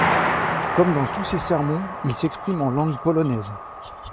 Comme dans tous ses sermons, il s’exprime en langue polonaise.